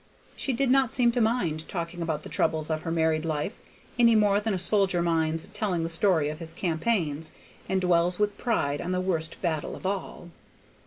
She did not seem to mind talking about the troubles of her married life any more than a soldier minds telling the story of his campaigns, and dwells with pride on the worst battle of all.